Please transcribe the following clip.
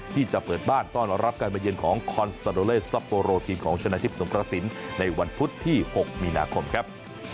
ที่จะเปิดบ้านต้อนรับการมาเยือนของคอนสตาโดเลซัปโปโรทีมของชนะทิพย์สงกระสินในวันพุธที่๖มีนาคมครับ